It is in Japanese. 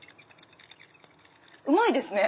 うまいですね！